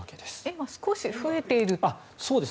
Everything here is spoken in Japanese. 今、少し増えている。